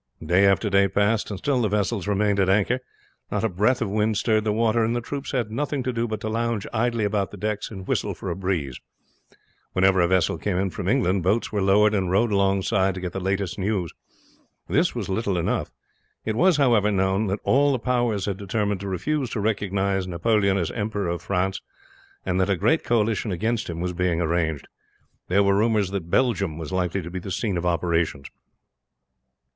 Day after day passed, and still the vessels remained at anchor. Not a breath of wind stirred the water, and the troops had nothing to do but to lounge idly about the decks and whistle for a breeze. Whenever a vessel came in from England boats were lowered and rowed alongside to get the latest news. This was little enough. It was, however, known that all the powers had determined to refuse to recognize Napoleon as Emperor of France, and that a great coalition against him was being arranged. There were rumors that Belgium was likely to be the scene of operations.